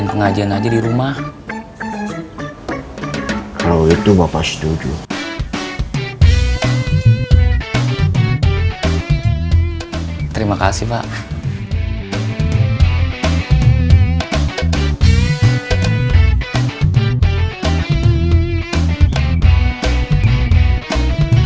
yang penting orang orang harus tau sobri udah menikah sama dede